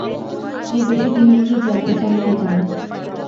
এর বেশি তিনি কী জানতে চান কে জানে।